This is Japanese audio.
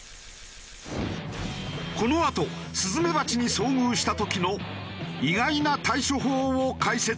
このあとスズメバチに遭遇した時の意外な対処法を解説。